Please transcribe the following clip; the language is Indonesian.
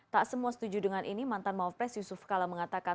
tak semua setuju dengan ini mantan mawaf press yusuf kalla mengatakan